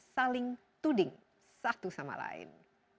saling tuding satu sama lain